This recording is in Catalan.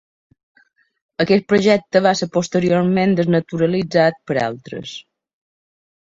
Aquest projecte va ser posteriorment desnaturalitzat per altres.